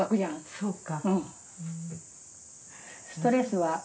そうか。